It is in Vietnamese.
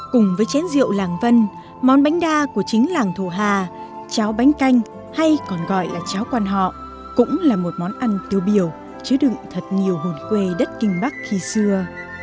cùng với chén rượu làng vân món bánh đa của chính làng thổ hà cháo bánh canh hay còn gọi là cháo quan họ cũng là một món ăn tiêu biểu chứa đựng thật nhiều hồn quê đất kinh bắc khi xưa